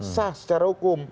sah secara hukum